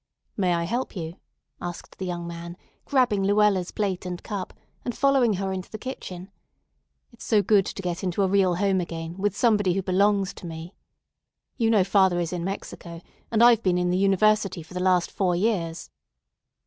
"May I help you?" asked the young man, grabbing Luella's plate and cup, and following her into the kitchen. "It's so good to get into a real home again with somebody who belongs to me. You know father is in Mexico, and I've been in the university for the last four years."